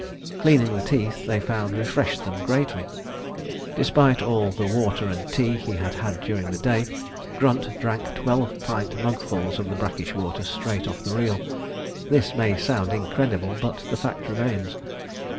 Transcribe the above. Cleaning the teeth they found refreshed them greatly. Despite all the water and tea he had had during the day, Grunt drank twelve pint mugfuls of the brackish water straight off the reel. This may sound incredible, but the fact remains.